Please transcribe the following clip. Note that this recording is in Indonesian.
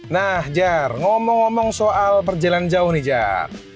nah jar ngomong ngomong soal perjalanan jauh nih ja